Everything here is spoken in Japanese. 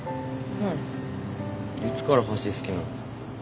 ふんいつから橋好きなの？